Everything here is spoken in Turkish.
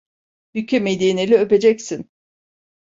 Bükemediğin eli öpeceksin.